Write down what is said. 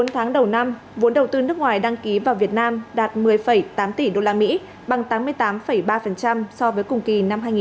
bốn tháng đầu năm vốn đầu tư nước ngoài đăng ký vào việt nam đạt một mươi tám tỷ usd bằng tám mươi tám ba so với cùng kỳ năm hai nghìn một mươi chín